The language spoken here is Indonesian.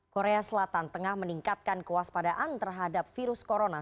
korea selatan tengah meningkatkan kewaspadaan terhadap virus corona